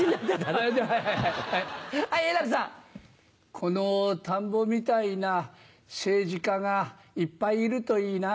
この田んぼみたいな政治家がいっぱいいるといいな。